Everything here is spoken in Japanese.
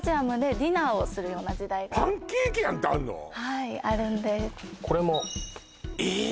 はいあるんですこれもえーっ！？